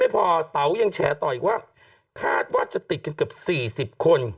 พอเต๋ายังแฉต่ออีกว่าคาดว่าจะติดกันเกือบ๔๐คน